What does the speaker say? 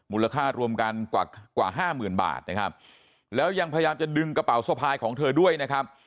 มูลค่ารวมกันกว่ากว่าห้าหมื่นบาทนะครับแล้วยังพยายามจะดึงกระเป๋าสะพายของเธอด้วยนะครับ